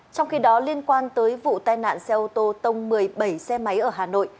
trong khi đó liên quan tới vụ tai nạn xe ô tô tông một mươi bảy xe máy ở hà nội